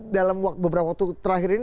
dalam beberapa waktu terakhir ini